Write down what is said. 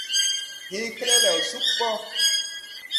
Hee kelɛlɛw sug ɓɔ.